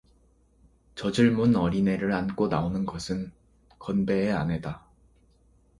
젖을 문 어린애를 안고 나오는 것은 건배의 아내다.